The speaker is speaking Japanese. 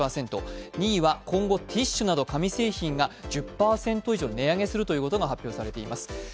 ２位は今後ティッシュなど紙製品が１０％以上値上げすることが発表されています。